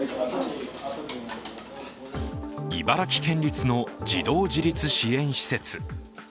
茨城県立の児童自立支援施設。